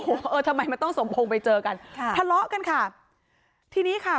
โอ้โหเออทำไมมันต้องสมพงษ์ไปเจอกันค่ะทะเลาะกันค่ะทีนี้ค่ะ